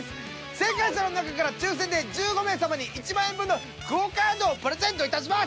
正解者の中から抽選で１５名様に１万円分のＱＵＯカードをプレゼントいたします！